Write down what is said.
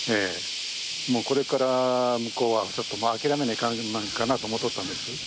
これから向こうはちょっともう諦めないかんかなと思うとったんです。